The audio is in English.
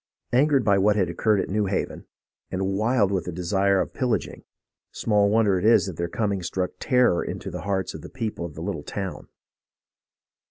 Angered by what had occurred at New Haven, and wild with the desire of pillaging, small wonder is it that their coming struck terror to the hearts of the people in the little town.